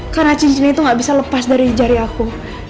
karena cincin itu gak bisa lepas dari jari aku